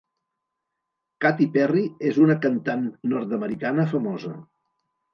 Katy Perry és una cantant nord-americana famosa.